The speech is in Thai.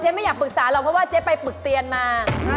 ไม่อยากปรึกษาหรอกเพราะว่าเจ๊ไปปึกเตียนมา